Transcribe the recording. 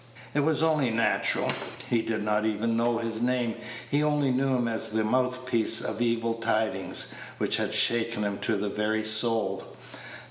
It was only natural. He did not even know his name; he only knew him as the mouth piece of evil tidings, which had shaken him to the very soul.